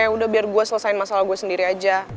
udah biar gue selesain masalah gue sendiri aja